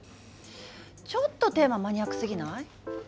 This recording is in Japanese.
ちょっとテーママニアックすぎない？